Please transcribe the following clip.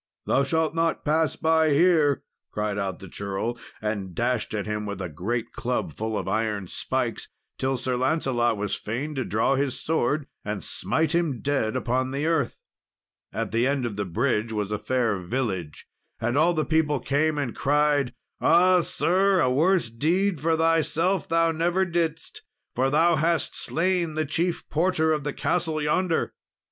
"Thou shalt not pass by here," cried out the churl, and dashed at him with a great club full of iron spikes, till Sir Lancelot was fain to draw his sword and smite him dead upon the earth. At the end of the bridge was a fair village, and all the people came and cried, "Ah, sir! a worse deed for thyself thou never didst, for thou hast slain the chief porter of the castle yonder!"